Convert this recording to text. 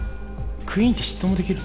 クイーンって執刀もできるの？